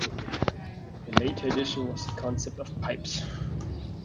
A later addition was the concept of pipes.